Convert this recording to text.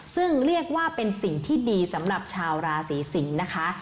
ซึ่งเรียกว่าเป็นสิ่งที่ดีสำหรับชาวราศีสิงศ์นะคะ